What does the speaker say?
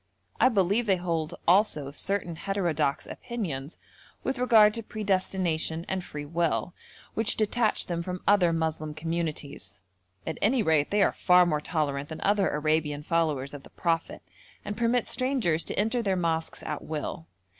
I believe they hold also certain heterodox opinions with regard to predestination and free will, which detach them from other Moslem communities; at any rate they are far more tolerant than other Arabian followers of the Prophet, and permit strangers to enter their mosques at will.